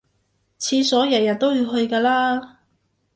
廁所日日都要去㗎啦